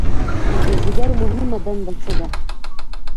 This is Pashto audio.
د ځیګر مهمه دنده څه ده؟